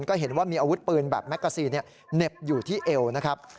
ก็เห็นว่ามีอาวุธปืนแบบแมกกาซีนเหน็บอยู่ที่เอวนะครับ